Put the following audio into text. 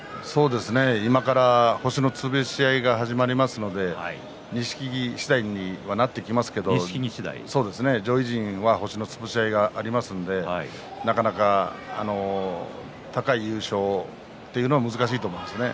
今から星の潰し合いが始まりますので錦木次第になってきますけれども上位陣が星の潰し合いがありますのでなかなか高い優勝というのは難しいと思いますね。